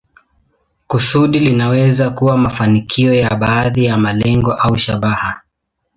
Kusudi linaweza kuwa mafanikio ya baadhi ya malengo au shabaha.